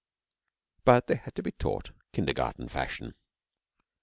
But they had to be taught kindergarten fashion.